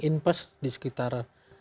inpes di sekitar